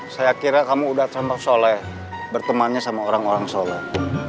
saya kira kamu udah termasuk soleh bertemannya sama orang orang soleh